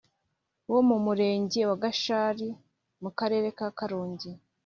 wo mu murenge wa gashari mu karere ka karongi